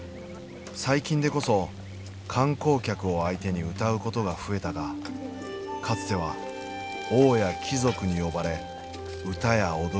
最近でこそ観光客を相手に歌うことが増えたがかつては王や貴族に呼ばれ歌や踊りを披露した。